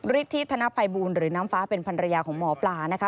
ฤทธิธนภัยบูลหรือน้ำฟ้าเป็นภรรยาของหมอปลานะคะ